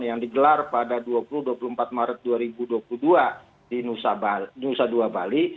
yang digelar pada dua ribu dua puluh empat maret dua ribu dua puluh dua di nusa dua bali